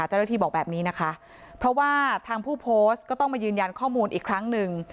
เจ้าหน้าที่บอกแบบนี้นะคะเพราะว่าทางผู้โพสต์ก็ต้องมายืนยันข้อมูลอีกครั้งหนึ่ง